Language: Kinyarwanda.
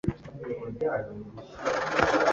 Kutagira ni iyihe Main impamvu imimerere izwi Rickets?